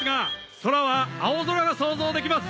空は青空が想像できます！